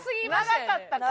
長かったか。